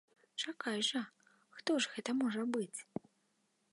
Чакай жа, хто ж гэта можа быць?!